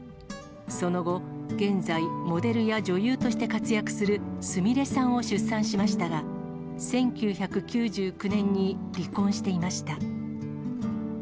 その後、現在モデルや女優として活躍するすみれさんを出産しましたが、１９９９年に離婚していました。